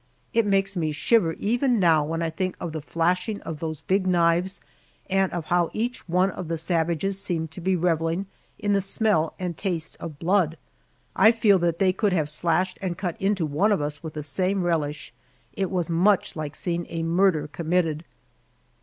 It makes me shiver even now when I think of the flashing of those big knives and of how each one of the savages seemed to be reveling in the smell and taste of blood! I feel that they could have slashed and cut into one of us with the same relish. It was much like seeing a murder committed.